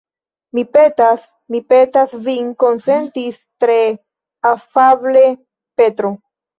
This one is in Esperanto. Mi petas, mi petas vin konsentis tre afable Petro.